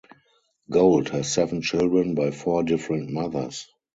Gold has seven children by four different mothers.